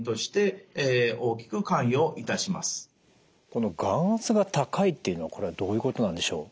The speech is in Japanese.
この眼圧が高いっていうのはこれはどういうことなんでしょう？